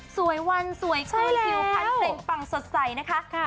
สวยวันสวยก็เฮียวพันเซ็งปังสดใสนะคะ